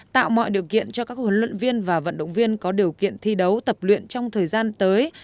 tạo mọi điều kiện cho các huấn luyện viên và vận động viên có điều kiện thi đấu tập luyện trong thời gian tới